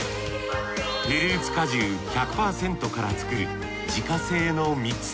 フルーツ果汁１００％から作る自家製の蜜。